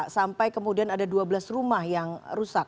sampai kemudian ada dua belas rumah yang rusak